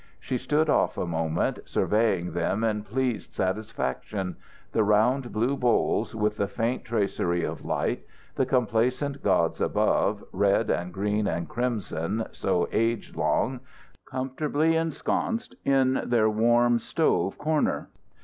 She stood off a moment, surveying them in pleased satisfaction the round, blue bowls, with the faint tracery of light; the complacent gods above, red and green and crimson, so age long, comfortably ensconced in their warm stove corner.